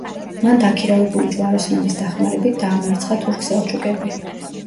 მან დაქირავებული ჯვაროსნების დახმარებით დაამარცხა თურქ-სელჩუკები.